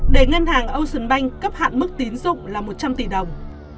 để ngân hàng ocean bank cấp hạn mức tín dụng là một trăm linh tỷ đồng